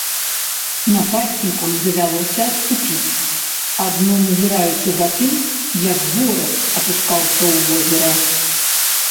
Нападнікам давялося адступіць, адно назіраючы за тым, як горад апускаўся ў возера.